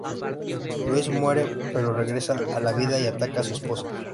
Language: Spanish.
Louis muere, pero regresa a la vida y ataca a su esposa.